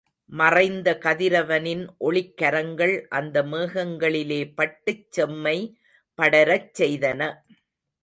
மறைந்த கதிரவனின் ஒளிக் கரங்கள் அந்த மேகங்களிலே பட்டுச் செம்மை படரச் செய்தன.